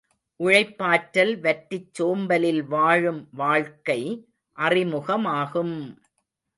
உழைப்பாற்றல் வற்றிச் சோம்பலில் வாழும் வாழ்க்கை அறிமுகமாகும்!